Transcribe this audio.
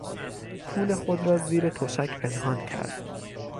پول خود را زیر تشک پنهان کرد.